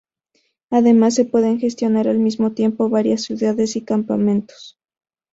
Además se pueden gestionar al mismo tiempo varias ciudades y campamentos.